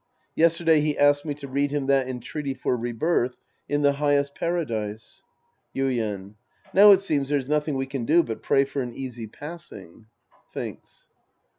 Yesterday he asked me to read him that entreaty for rebirth in the highest Paradise. Yuien. Now it seems there's nothing we can do but pray for an easy passing. (Thinks.)